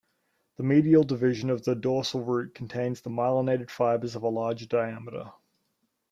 The medial division of the dorsal root contains myelinated fibres of larger diameter.